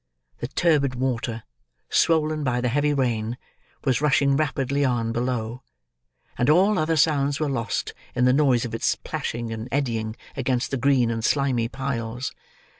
The turbid water, swollen by the heavy rain, was rushing rapidly on below; and all other sounds were lost in the noise of its plashing and eddying against the green and slimy piles.